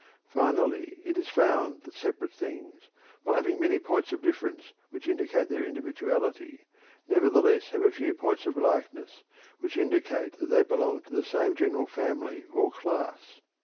Finally, it is found that separate things, while having many points of difference which indicate their individuality, nevertheless have a few points of likeness which indicate that they belong to the same general family or class.